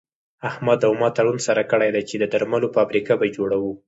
احمد او ما تړون سره کړی دی چې د درملو فابريکه به جوړوو.